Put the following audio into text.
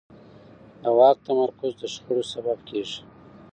د واک تمرکز د شخړو سبب کېږي